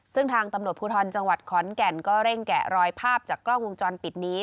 ซึ่งทางตำรวจภูทรจังหวัดขอนแก่นก็เร่งแกะรอยภาพจากกล้องวงจรปิดนี้